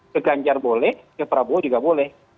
ke ganjar boleh ke prabowo juga boleh